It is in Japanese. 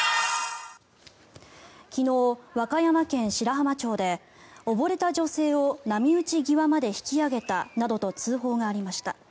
昨日、和歌山県白浜町で溺れた女性を波打ち際まで引き上げたなどと通報がありました。